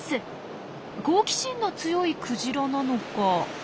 好奇心の強いクジラなのか。